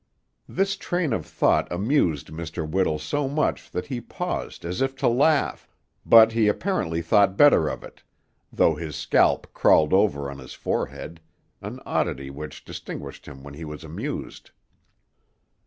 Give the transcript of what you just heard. This train of thought amused Mr. Whittle so much that he paused as if to laugh; but he apparently thought better of it, though his scalp crawled over on his forehead, an oddity which distinguished him when he was amused.